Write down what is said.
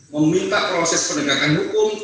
meminta proses penegakan hukum